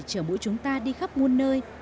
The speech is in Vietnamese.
chờ mỗi chúng ta đi khắp muôn nơi